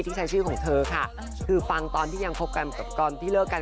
ใช้ชื่อของเธอค่ะคือฟังตอนที่ยังคบกันกับตอนที่เลิกกัน